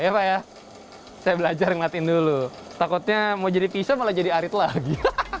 saya belajar ngeliatin dulu takutnya mau jadi pisau malah jadi arit lagi